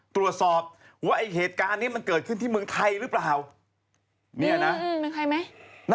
ตรวจสอบว่าเหตุการณ์นี้เกิดขึ้นในเมืองไทยหรือเปล่า